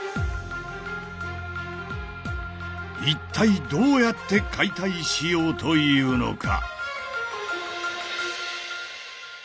一体どうやって解体しようというのか？